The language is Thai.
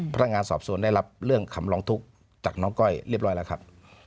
พนักงานสอบสวนได้รับเรื่องคำร้องทุกข์จากน้องก้อยเรียบร้อยแล้วครับ